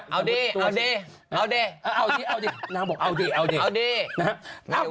เออใช่ไหมเอาดีเอาดีเอาดีเอาดีเอาดีเอาดีเอาดีเอาดี